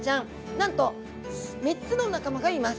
なんと３つの仲間がいます。